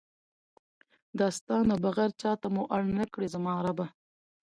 دا ستا نه بغیر چاته مو اړ نکړې زما ربه!